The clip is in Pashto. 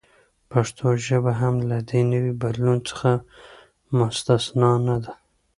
پښتو ژبه هم له دې نوي بدلون څخه مستثناء نه ده.